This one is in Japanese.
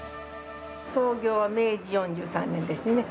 創業は明治４３年ですね